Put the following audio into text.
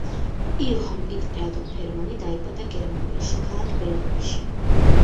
იოჰან პიტერ ადოლფ ერმანი დაიბადა გერმანიაში, ქალაქ ბერლინში.